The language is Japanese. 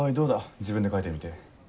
自分で描いてみて。